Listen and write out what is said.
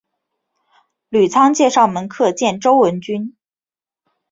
吕仓介绍门客见周文君。